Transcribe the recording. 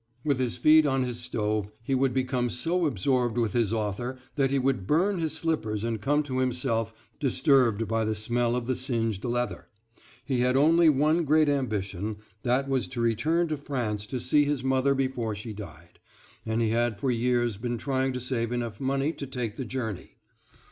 With his feet on his stove he would become so absorbed with his author that he would burn his slippers and come to himself disturbed by the smell of the singed leather. He had only one great ambition, that was to return to France to see his mother before she died; and he had for years been trying to save enough money to take the journey.